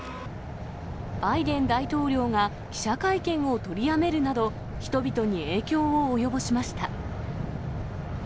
バイデン大統領が記者会見を取りやめるなど、人々に影響を及ぼしました。